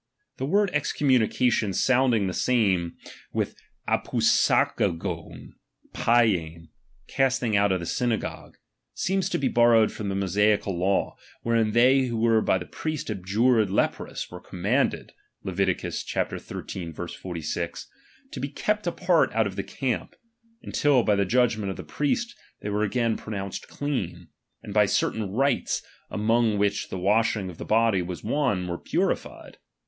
The word excom munication sounding the same with a'Kuavyityi.iyov vatiii', casting out of the synagogue, seems to be borrowed from the Mosaical law ; wherein they who were by the priest adjudged leprous, were commanded (Levit. xiii. 46) to be kept apart out of the camp, until by the judgment of the priest they were again pronounced clean, and by certain rites, among which the washing of the body was one, were purified.